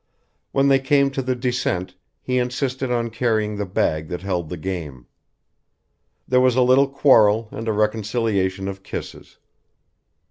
When they came to the descent he insisted on carrying the bag that held the game. There was a little quarrel and a reconciliation of kisses.